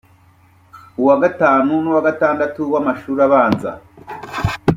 uwa gatanu n’uwa gatandatu w’amashuri abanza